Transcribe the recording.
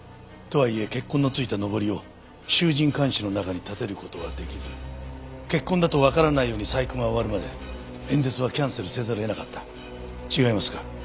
とはいえ血痕の付いたのぼりを衆人環視の中に立てる事はできず血痕だとわからないように細工が終わるまで演説はキャンセルせざるを得なかった。違いますか？